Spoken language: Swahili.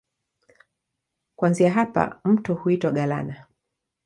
Kuanzia hapa mto huitwa Galana.